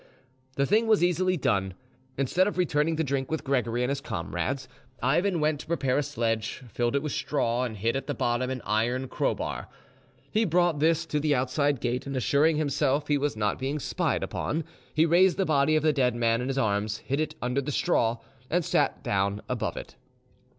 The thing was easily done. Instead of returning to drink with Gregory and his comrades, Ivan went to prepare a sledge, filled it with straw, and hid at the bottom an iron crowbar. He brought this to the outside gate, and assuring himself he was not being spied upon, he raised the body of the dead man in his arms, hid it under the straw, and sat down above it.